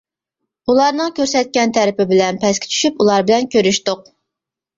ئۇلارنىڭ كۆرسەتكەن تەرىپى بىلەن پەسكە چۈشۈپ ئۇلار بىلەن كۆرۈشتۇق.